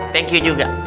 thank you juga